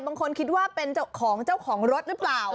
บางคนคิดว่าเป็นเจ้าของเจ้าของรถหรือเปล่า